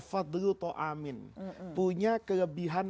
fadluto amin punya kelebihan